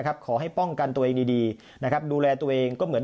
ขอให้ป้องกันตัวเองดีนะครับดูแลตัวเองก็เหมือน